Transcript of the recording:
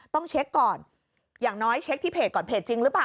ต้องเช็คก่อนอย่างน้อยเช็คที่เพจก่อนเพจจริงหรือเปล่า